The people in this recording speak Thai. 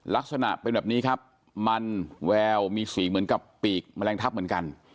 ลักษณะเป็นแบบนี้ครับมันแววมีสีเหมือนกับปีกแมลงทับเหมือนกัน